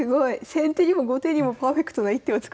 先手にも後手にもパーフェクトな一手を作る。